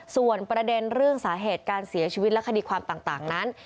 ส่วนประเด็นเรื่องสาเหตุการเสียชีวิตและคดีความต่างนั้น